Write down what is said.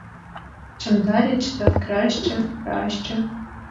Чим далі, читав краще, краще.